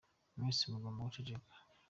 Mwese mugomba guceceka.